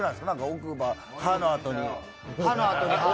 奥歯、歯のあとに。